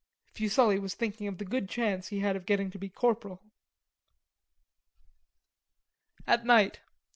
Fuselli was thinking of the good chance he had of getting to be corporal. At night.